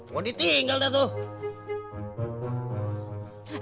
mau ditinggal dah tuh